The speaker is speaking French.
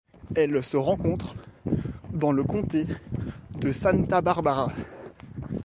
Elle se rencontre dans le comté de Santa Barbara.